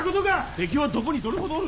敵はどこにどれほどおる？